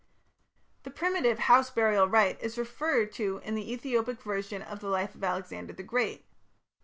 The primitive house burial rite is referred to in the Ethiopic version of the life of Alexander the Great.